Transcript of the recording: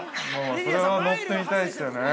◆それは乗ってみたいですよね。